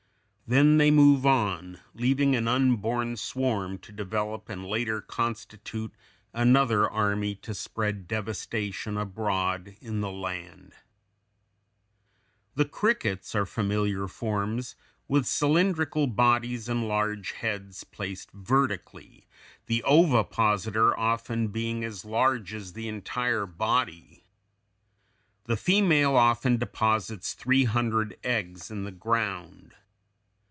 Then they move on, leaving an unborn swarm to develop and later constitute another army to spread devastation abroad in the land. [Illustration: FIG. 198. Crickets.] The crickets (Fig. 198) are familiar forms with cylindrical bodies and large heads placed vertically, the ovipositor often being as large as the entire body. The female often deposits three hundred eggs in the ground.